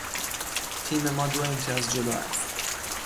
تیم ما دو امتیاز جلو است.